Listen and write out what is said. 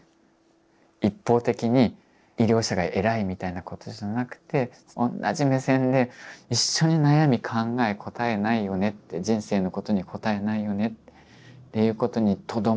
一方的に医療者が偉いみたいなことじゃなくて同じ目線で一緒に悩み考え答え無いよねって人生のことに答え無いよねっていうことにとどまる